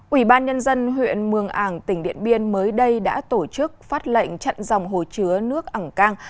ủy ban nhân dân huyện mường ảng tỉnh điện biên mới đây đã tổ chức phát lệnh trận dòng hồ chứa nước ảng cang